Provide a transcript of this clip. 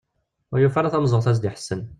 Ur yufi ara tameẓẓuɣt ara as-d-iḥessen.